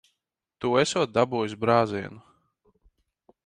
Tu esot dabūjis brāzienu.